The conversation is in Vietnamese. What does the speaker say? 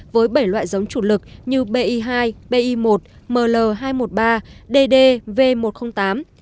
với bảy loại giống chủ lực như bi hai bi một ml hai trăm một mươi ba dd v một trăm linh tám om